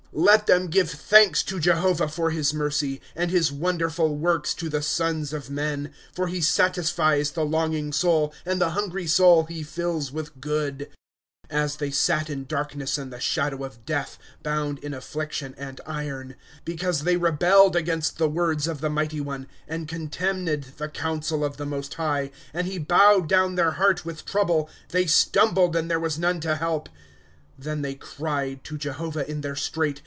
* Let them give thanks to Jehovah for his mercy, And his wonderful works to the sons of men. " For he satisfies the longing soul, And the hungry soul he fills with good. i*> As they sat in darkness and the shadow of death, Bound in affliction and iron ;—'■'■ Because they rebelled against the words of the Mighty One, And contemned the counsel of the Most High, 12 And he bowed down their heart with trouble. They stumbled, and there was none to help ;—■ 13 Tlien they cried to Jehovah in their strait.